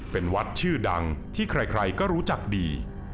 เป็นวัดชื่อดังที่ใครก็รู้จักดี